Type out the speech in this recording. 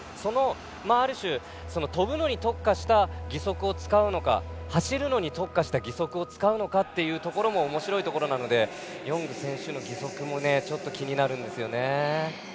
ある種、跳ぶのに特化した義足を使うのか、走るのに特化した義足を使うのかというところもおもしろいところなのでヨング選手の義足もちょっと気になるんですよね。